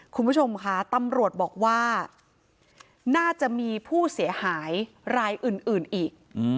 คุณผู้ชมค่ะตำรวจบอกว่าน่าจะมีผู้เสียหายรายอื่นอีก